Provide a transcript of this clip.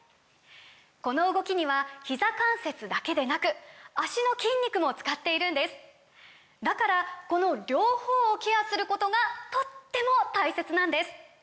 この動きにはひざ関節だけでなく脚の筋肉も使っているんですだからこの両方をケアすることがとっても大切なんです！